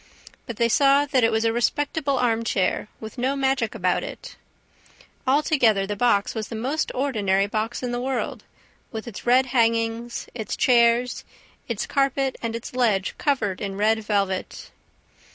But they saw that it was a respectable arm chair, with no magic about it. Altogether, the box was the most ordinary box in the world, with its red hangings, its chairs, its carpet and its ledge covered in red velvet.